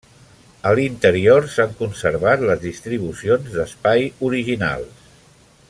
A l'interior s'han conservat les distribucions d'espai originals.